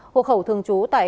hộp hậu thường trú tại